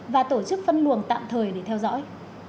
và tổ chức phân luồng tạm thời để theo dõi